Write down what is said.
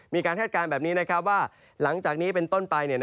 มีการแทดการแบบนี้ว่าหลังจากนี้เป็นต้นไป